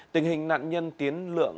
tình hình nạn nhân tiến lượng